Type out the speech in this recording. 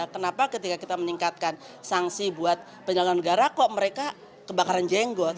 kenapa ketika kita meningkatkan sanksi buat penyelenggara negara kok mereka kebakaran jenggot